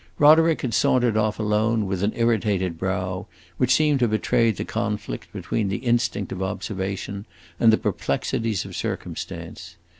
Roderick had sauntered off alone, with an irritated brow, which seemed to betray the conflict between the instinct of observation and the perplexities of circumstance.